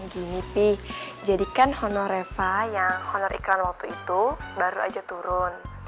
gini pi jadi kan honor reva yang honor iklan waktu itu baru aja turun